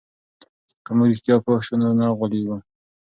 که موږ رښتیا پوه سو نو نه غولېږو.